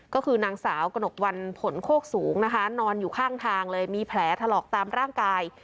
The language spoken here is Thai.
ก็คือนางสาวกระหนกวันผลโคกสูงนะคะนอนอยู่ข้างทางเลยมีแผลถลอกตามร่างกาย